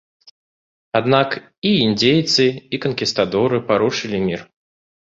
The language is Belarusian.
Аднак і індзейцы, і канкістадоры парушылі мір.